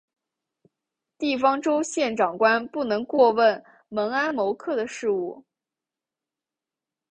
地方州县长官不能过问猛安谋克的事务。